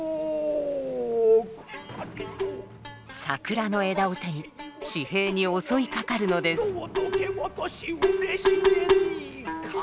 桜の枝を手に時平に襲いかかるのです。